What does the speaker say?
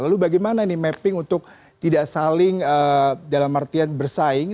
lalu bagaimana nih mapping untuk tidak saling dalam artian bersaing